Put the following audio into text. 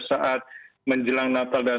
saat menjelang natal dan